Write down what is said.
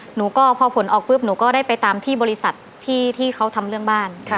หนูก็พอผลออกปุ๊บหนูก็ได้ไปตามที่บริษัทที่เขาทำเรื่องบ้าน